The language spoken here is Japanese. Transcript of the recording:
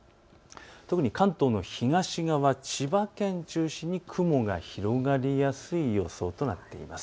特に関東の東側、千葉県を中心に雲が広がりやすい予想となっています。